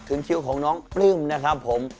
คิ้วของน้องปลื้มนะครับผม